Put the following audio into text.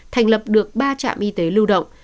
thành lập được ba trạm y tế lưu động